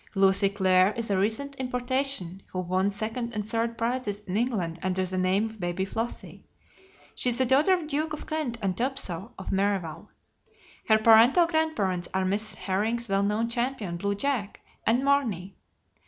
Lucy Claire is a recent importation, who won second and third prizes in England under the name of Baby Flossie. She is the daughter of Duke of Kent and Topso, of Merevale. Her paternal grandparents are Mrs. Herring's well known champion, Blue Jack, and Marney.